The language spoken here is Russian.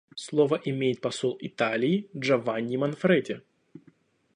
Слово имеет посол Италии Джованни Манфреди.